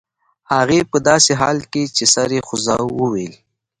هغې په داسې حال کې چې سر یې خوځاوه وویل